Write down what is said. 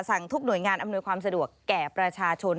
สั่งทุกหน่วยงานอำนวยความสะดวกแก่ประชาชน